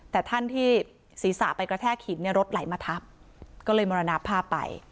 แต่ท่านที่ศีรษะไปกระแทกหินเนี่ยรถไหลมาทับก็เลยมรณภาพไป